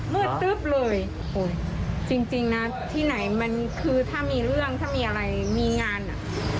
มืดตึ๊บเลยจริงนะที่ไหนมันคือถ้ามีเรื่องถ้ามีอะไรมีงานอ่ะ